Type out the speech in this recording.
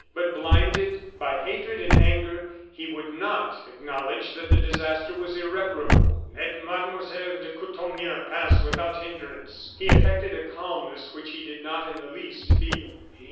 But, blinded by hatred and anger, he would not acknowledge that the disaster was irreparable. "Let Mademoiselle de Counornieu pass without hinderance." He affected a calmness which he did not in the least feel.